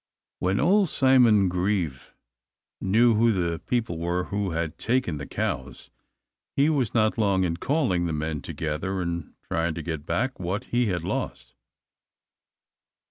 When old Simon Grieve knew who the people were that had taken the cows, he was not long in calling the men together, and trying to get back what he had lost.